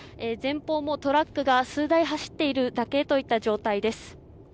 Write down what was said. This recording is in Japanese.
前方もトラックが数台走っているだけという状態です。